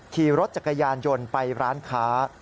ขี่รถจักรยานยนต์ไปร้านค้า